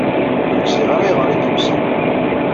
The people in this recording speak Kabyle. Ur gziɣ ara ayɣer i d-yusa.